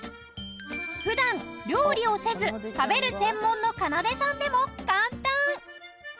普段料理をせず食べる専門のかなでさんでも簡単！